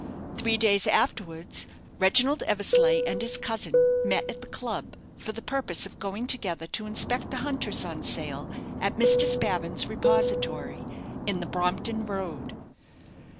Three days afterwards, Reginald Eversleigh and his cousin met at the club, for the purpose of going together to inspect the hunters on sale at Mr. Spavin's repository, in the Brompton Road.